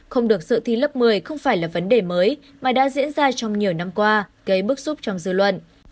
không được sự thi lớp một mươi không phải là vấn đề mới mà đã diễn ra trong nhiều năm qua gây bức xúc trong dư luận